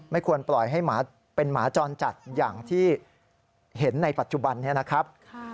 ควรปล่อยให้หมาเป็นหมาจรจัดอย่างที่เห็นในปัจจุบันนี้นะครับ